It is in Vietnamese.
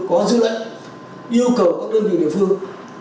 có dự lệnh yêu cầu các đơn vị đảng phương